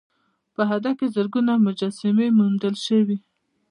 په هډه کې زرګونه مجسمې موندل شوي